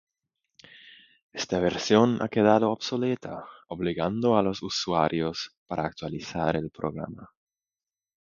Esta versión ha quedado obsoleta, obligando a los usuarios para actualizar el programa.